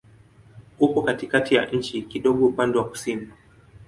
Upo katikati ya nchi, kidogo upande wa kusini.